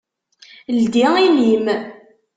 Ldi imi-m!